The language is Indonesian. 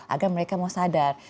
agar mereka mau sadar